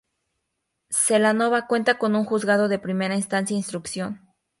Celanova cuenta con un Juzgado de Primera Instancia e Instrucción.